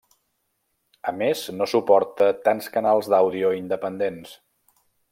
A més, no suporta tants canals d'àudio independents.